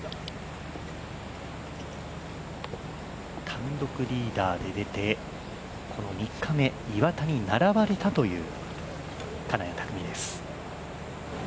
単独リーダーで出てこの３日目、岩田にならばれたという金谷拓実です。